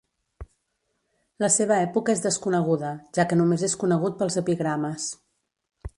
La seva època és desconeguda, ja que només és conegut pels epigrames.